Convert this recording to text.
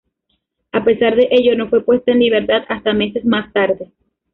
A pesar de ello, no fue puesta en libertad hasta meses más tarde.